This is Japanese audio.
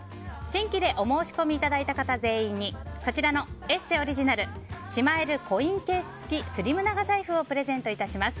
新規でお申し込みいただいた方全員にこちらの「ＥＳＳＥ」オリジナルしまえるコインケース付きスリム長財布をプレゼントいたします。